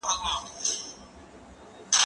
زه اوس لاس پرېولم؟